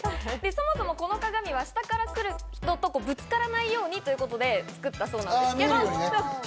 そもそもこの鏡は下から来る人とぶつからないようにということで作ったそうです。